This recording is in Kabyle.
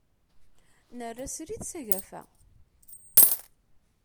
Nerra srid s agafa.